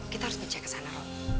kita harus berjaya kesana rob